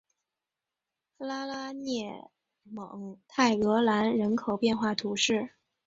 拉拉涅蒙泰格兰人口变化图示